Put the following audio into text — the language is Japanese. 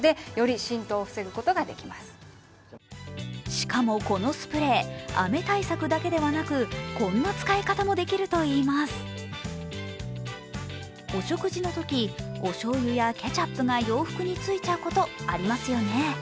しかも、このスプレー雨対策だけではなくお食事のとき、おしょうゆやケチャップが洋服についちゃうこと、ありますよね。